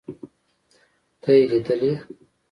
ته يې ليدلې.